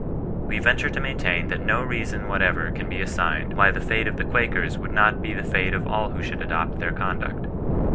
Wa ven ture to maintain that no leason whatever can be asn^ed, why the fnte of the Quakers would not be the fate of all who should adopt their conduct.